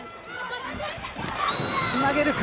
つなげるか。